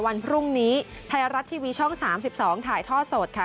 วันพรุ่งนี้ไทยรัฐทีวีช่อง๓๒ถ่ายท่อสดค่ะ